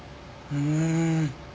うん。